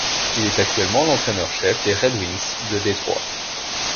Il est actuellement l'entraîneur-chef des Red Wings de Détroit.